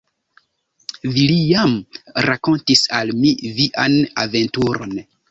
Villiam rakontis al mi vian aventuron.